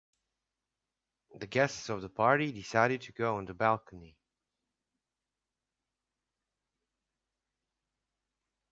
The guests of the party decided to go on the balcony.